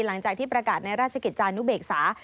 หลังจากที่ประกาศในราชกิจจานุเบกษา